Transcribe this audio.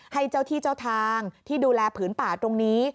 ให้เจ้าที่เจ้าทางที่ดูแลผืนป่าตรงนี้